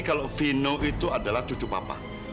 kalau vino itu adalah cucu papa